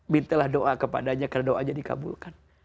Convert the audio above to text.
mintalah doa kepadanya karena doanya dikabulkan